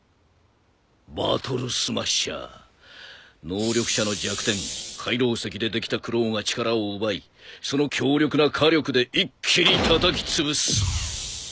能力者の弱点海楼石でできたクローが力を奪いその強力な火力で一気にたたきつぶす。